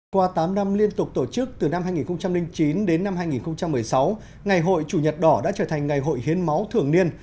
qua tám năm liên tục tổ chức từ năm hai nghìn chín đến năm hai nghìn một mươi sáu ngày hội chủ nhật đỏ đã trở thành ngày hội hiến máu thường niên